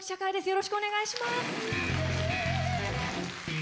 よろしくお願いします。